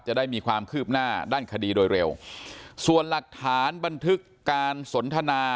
จะได้มีความคืบหน้าด้านคดีโดยเร็วส่วนหลักฐานบันทึกการสนทนา